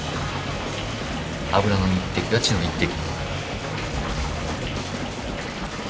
油の一滴は血の一滴。